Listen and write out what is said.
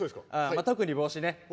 特に帽子ね。